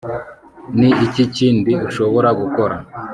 ni iki kindi ushobora gukora